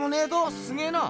すげぇな！